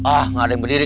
ah gak ada yang berdiri